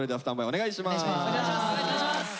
お願いします。